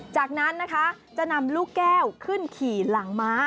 จากนั้นนะคะจะนำลูกแก้วขึ้นขี่หลังม้า